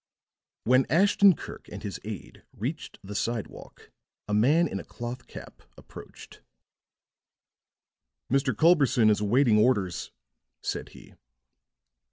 When Ashton Kirk and his aide reached the sidewalk a man in a cloth cap approached. "Mr. Culberson is awaiting orders," said he.